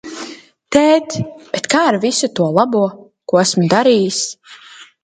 Tēt, bet kā ar visu to labo, ko esmu darījis?